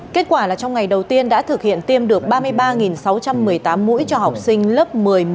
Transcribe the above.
kết quả là trong ngày đầu tiên đã thực hiện tiêm được ba mươi ba sáu trăm một mươi tám mũi cho học sinh lớp một mươi một mươi một một mươi hai